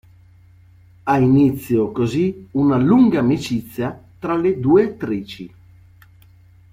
Ha inizio, così, una lunga amicizia tra le due attrici.